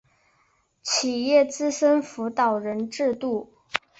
企业资深辅导人制度